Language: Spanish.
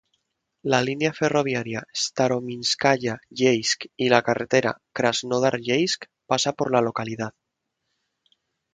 La línea ferroviaria Starominskaya-Yeisk y la carretera Krasnodar-Yeisk pasa por la localidad.